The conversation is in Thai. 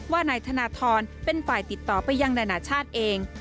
นายธนทรเป็นฝ่ายติดต่อไปยังนานาชาติเอง